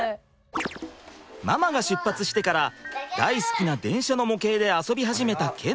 ママが出発してから大好きな電車の模型で遊び始めた賢澄ちゃん。